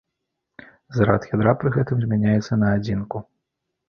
Зарад ядра пры гэтым змяняецца на адзінку.